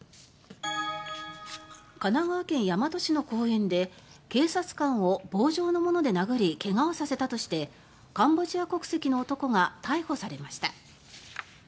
神奈川県大和市の公園で警察官を棒状のもので殴りけがをさせたとしてカンボジア国籍の男が逮捕されました。